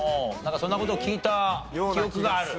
そんな事を聞いた記憶がある？